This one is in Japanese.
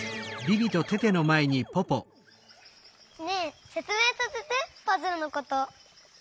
ねえせつめいさせてパズルのこと。